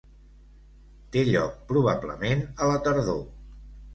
Té lloc, probablement, a la tardor.